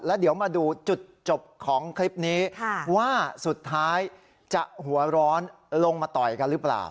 แล้วเดี๋ยวมาดูจุดจบของคลิปนี้ว่าสุดท้ายจะหัวร้อนลงมาต่อยกันหรือเปล่า